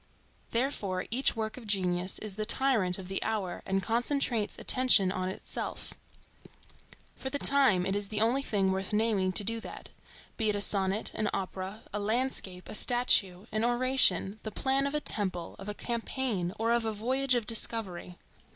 Therefore each work of genius is the tyrant of the hour and concentrates attention on itself. For the time, it is the only thing worth naming to do that,—be it a sonnet, an opera, a landscape, a statue, an oration, the plan of a temple, of a campaign, or of a voyage of discovery.